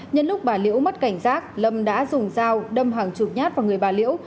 nhân lúc bà liễu mất cảnh giác lâm đã dùng dao đâm hàng chục nhát vào người bà liễu